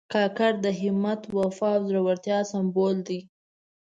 کاکړ د همت، وفا او زړورتیا سمبول دي.